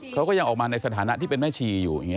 เขาก็ยังออกมาในสถานะที่เป็นแม่ชีอยู่อย่างนี้